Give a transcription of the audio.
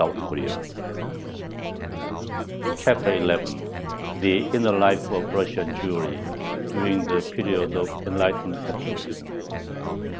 CHAPTER XI THE INNER LIFE OF RUSSIAN JEWRY DURING THE PERIOD OF "ENLIGHTENED ABSOLUTISM" 1.